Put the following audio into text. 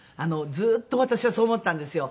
ずっと私はそう思ってたんですよ。